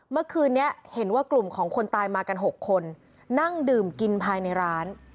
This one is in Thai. เมื่อคืนนี้เห็นว่ากลุ่มของคนตายมากัน๖คนนั่งดื่มกินภายในร้าน